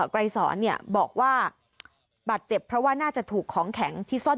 ไกรสอนเนี่ยบอกว่าบาดเจ็บเพราะว่าน่าจะถูกของแข็งที่ซ่อน